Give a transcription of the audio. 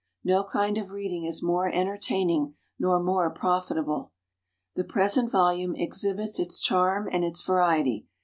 No kind of reading is more entertaining nor more profitable. The present volume exhibits its charm and its variety.